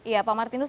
iya pak martinus